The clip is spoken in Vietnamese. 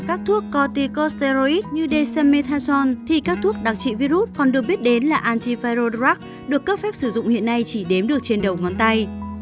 các thuốc corticosteroids như dexamethasone thì các thuốc đặc trị virus còn được biết đến là antiviral drug được cấp phép sử dụng hiện nay chỉ đếm được trên đầu ngón tay